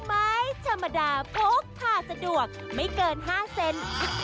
ไม่ชะมดาโพสต์ท่าสะดวกไม่เกินห้าเซ็น